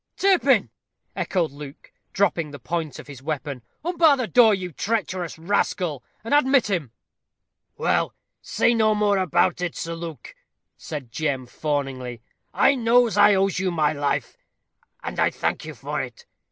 "Turpin!" echoed Luke, dropping the point of his weapon. "Unbar the door, you treacherous rascal, and admit him." "Well, say no more about it, Sir Luke," said Jem, fawningly; "I knows I owes you my life, and I thank you for it.